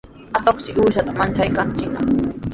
Atuqshi uushata manchakaachinaq.